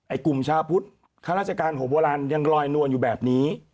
กลุ่มชาวพุทธข้าราชการของโบราณยังลอยนวลอยู่แบบนี้